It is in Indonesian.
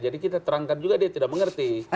jadi kita terangkan juga dia tidak mengerti